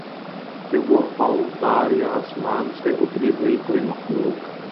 کہ وہ اوتار یا آسمان سے اتری ہوئی کوئی مخلوق